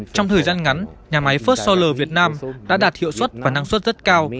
trong thời gian ngắn nhà máy first solar việt nam đã đạt hiệu suất và năng suất rất cao